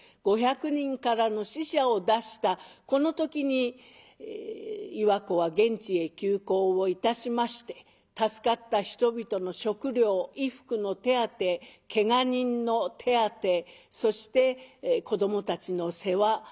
５００人からの死者を出したこの時に岩子は現地へ急行をいたしまして助かった人々の食糧衣服の手当てけが人の手当てそして子どもたちの世話。